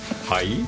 はい？